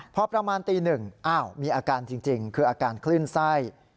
พอประมาณตี๑มีอาการจริงคืออาการคลื่นไส้